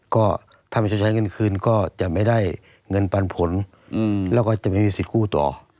ก็ถ้ามันจะใช้เงินคืนก็จะไม่ได้เงินปันผลแล้วก็จะไม่มีสิทธิ์กู้ต่อ